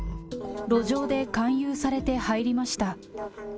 路上で勧誘されて入りました。